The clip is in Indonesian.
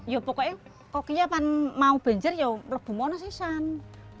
ya pokoknya kalau mau banjir ya lebih banyak yang ada